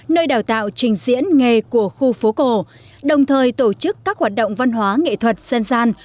nơi đào tạo trình diễn nghề của khu phố cổ đồng thời tổ chức các hoạt động văn hóa nghệ thuật dân gian